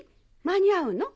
間に合うの？